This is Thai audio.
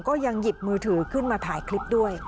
ก็ยังหยิบมือถือขึ้นมาถ่ายคลิปด้วย